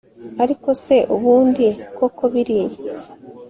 ariko se ubundi koko biriya